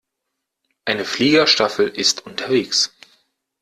Eine Fliegerstaffel ist unterwegs.